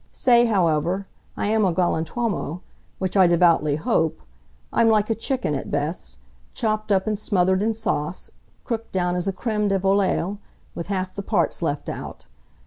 Say, however, I am a galantuomo which I devoutly hope: I'm like a chicken, at best, chopped up and smothered in sauce; cooked down as a creme de volaille, with half the parts left out.